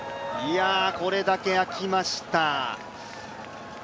これだけ開きました。